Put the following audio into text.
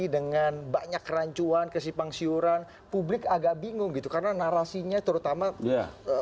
dengan banyak rancuan kesipang siuran publik agak bingung gitu karena narasinya terutama